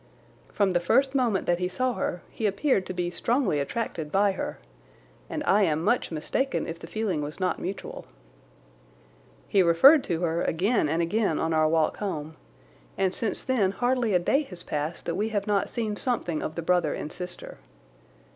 From the first moment that he saw her he appeared to be strongly attracted by her, and I am much mistaken if the feeling was not mutual. He referred to her again and again on our walk home, and since then hardly a day has passed that we have not seen something of the brother and sister.